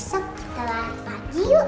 besok kita lari pagi yuk